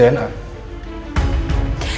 dan ini semua gara gara lu rick